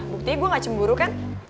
buktinya gue gak cemburu kan